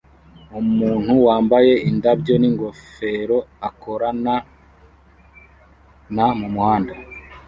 Umuntu wambaye indabyo ningofero akorana na mumuhanda